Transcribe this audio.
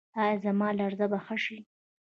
ایا زما لرزه به ښه شي؟